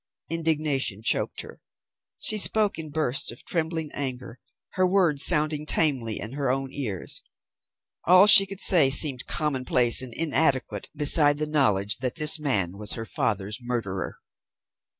Indignation choked her. She spoke in bursts of trembling anger, her words sounding tamely in her own ears. All she could say seemed commonplace and inadequate beside the knowledge that this man was her father's murderer.